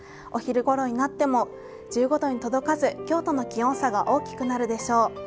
お昼ごろになっても１５度に届かず今日との気温差が大きくなるでしょう。